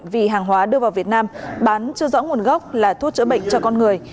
vì hàng hóa đưa vào việt nam bán chưa rõ nguồn gốc là thuốc chữa bệnh cho con người